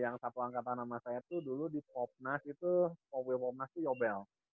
kalau saya kemarin icl yang satu angkatan sama saya tuh dulu di popnas itu mobil popnas itu yobel